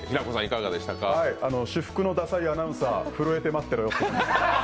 私服のダサいアナウンサー震えて待ってろよ。